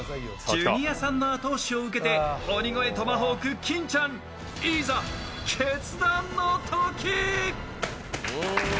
ジュニアさんの後押しを受けて鬼越トマホーク・金ちゃん、いざ決断のとき。